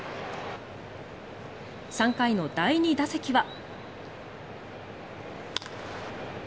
３回の第２打席は。